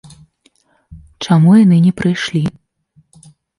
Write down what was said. Чаму яны не прыйшлі?